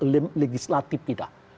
dan legislatif tidak